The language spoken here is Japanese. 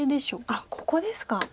あっここですか。